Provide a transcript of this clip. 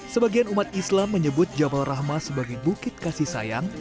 sebagian umat islam menyebut jabal rahma sebagai bukit kasih sayang